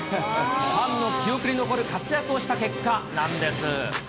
ファンの記憶に残る活躍をした結果なんです。